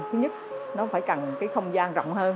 thứ nhất nó phải cần cái không gian rộng hơn